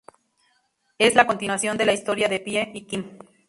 Es la continuación de la historia de Pie y Kim.